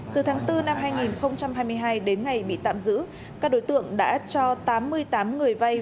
từ tháng bốn năm hai nghìn hai mươi hai đến ngày bị tạm giữ các đối tượng đã cho tám mươi tám người vay